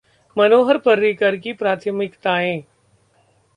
मनोहर पर्रीकर की प्राथमिकताएं